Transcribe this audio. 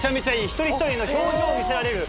一人一人の表情を見せられる。